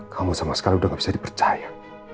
kamu sama sekali udah gak bisa dipercaya